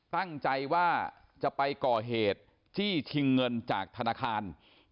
ตั้งใจว่าจะไปก่อเหตุจี้ชิงเงินจากธนาคาร